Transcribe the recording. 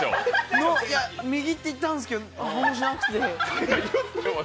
右って言ったんですけど反応しなくて。